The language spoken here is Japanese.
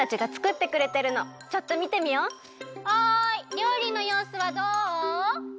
りょうりのようすはどう？